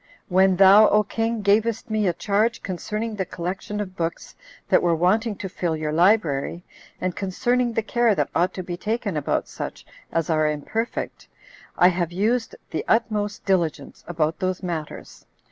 When thou, O king, gavest me a charge concerning the collection of books that were wanting to fill your library, and concerning the care that ought to be taken about such as are imperfect, I have used the utmost diligence about those matters.